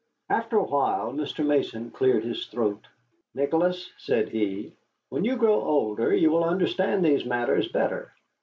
After a while Mr. Mason cleared his throat. "Nicholas," said he, "when you grow older you will understand these matters better.